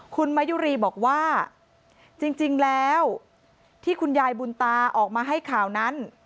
คุณมายุรีบอกว่าจริงแล้วที่คุณยายบุญตาออกมาให้ข่าวนั้น